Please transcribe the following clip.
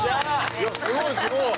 いやすごいすごい。